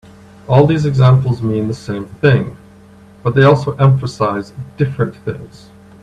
All these examples mean the same thing but they also emphasize different things.